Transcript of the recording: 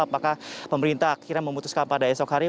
apakah pemerintah akhirnya memutuskan pada esok hari